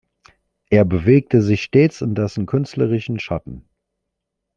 Er bewegte sich stets in dessen künstlerischen Schatten.